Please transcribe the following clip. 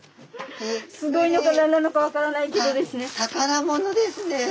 すごいのか何なのか分からないけどですね。